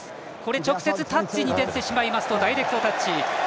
直接タッチに出てしまうとダイレクトタッチ。